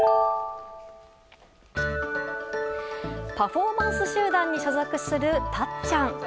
パフォーマンス集団に所属するたっちゃん。